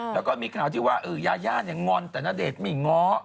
แล้วก็มีข่าวที่ว่ายาย่าเนี่ยงอนแต่ณเดชน์ไม่ง้อ